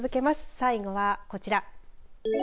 最後はこちら。